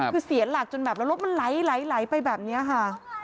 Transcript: คือเสียหลักจนแบบแล้วรถมันไหลไปแบบนี้ค่ะ